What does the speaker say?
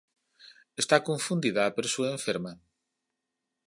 Está confundida a persoa enferma?